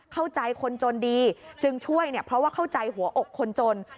เข้าใจคนจนดีจึงช่วยเนี่ยเพราะว่าเข้าใจหัวอกคนจน